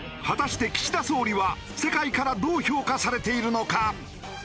果たして岸田総理は世界からどう評価されているのか？